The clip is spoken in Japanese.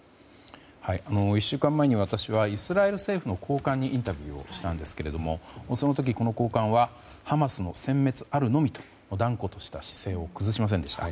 １週間前に私はイスラエル政府の高官にインタビューをしたんですがその時、この高官はハマスの殲滅あるのみと断固とした姿勢を崩しませんでした。